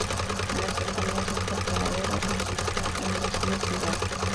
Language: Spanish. En las cercanías de este apeadero existía un desvío privado.